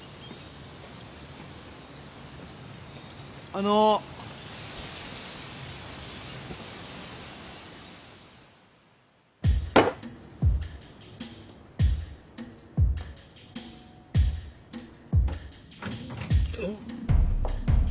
あのあっ。